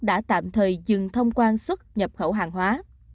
đã tạm thời dừng thông quan xuất nhập khẩu hàng hóa